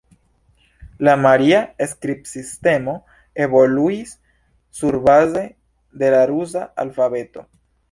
La maria skribsistemo evoluis surbaze de la rusa alfabeto.